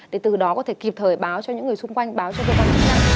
để từ đó có thể kịp thời báo cho những người xung quanh báo cho cơ quan